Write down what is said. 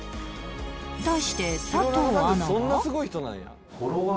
対して佐藤アナは？